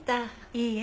いいえ。